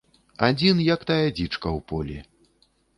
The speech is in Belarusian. Адзін, як тая дзічка ў полі.